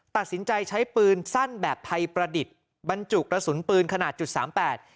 ตัดสินใจใช้ปืนสั้นแบบไทยประดิษฐ์บรรจุกระสุนปืนขนาดจุดสามแปด